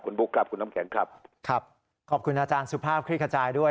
คุณบุ๊คครับคุณน้ำแข็งครับครับขอบคุณอาจารย์สุภาพคลิกขจายด้วย